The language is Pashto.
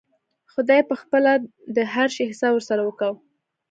خداى به پخپله د هر شي حساب ورسره وکا.